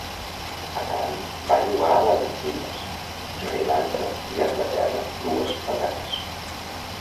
Akram va jugar a les Antilles, Sri Lanka i Anglaterra dues vegades.